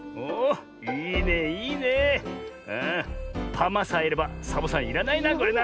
パマさえいればサボさんいらないなこれな。